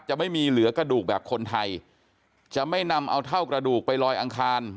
จะไม่มีเหลือกระดูกแบบคนไทยจะไม่นำเอาเท่ากระดูกไปลอยอังคาร